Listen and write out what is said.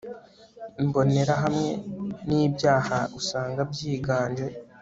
mbonera hamwe nibyaha usanga byiganje